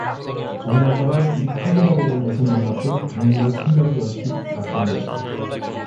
전날 밤에 이 파고다공원에서 만났던 동무의 생각이 얼핏 났던 것이다.